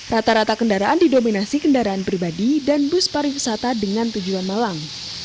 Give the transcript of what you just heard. rata rata kendaraan didominasi kendaraan pribadi dan bus pariwisata dengan tujuan malang